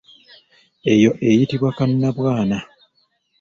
Eyo eyitibwa kannabwana.